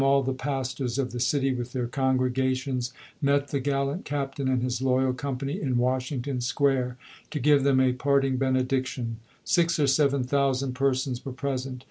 all the pastors of the city, with their congregations, met the gallant captain and his loyal company in Washington Square, to give them a parting benediction. Six or seven thousand persons were present.